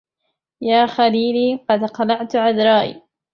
يا خليلي قد خلعت عذاري